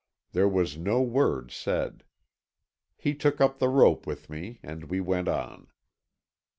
There was no word said. He took up the rope with me, and we went on.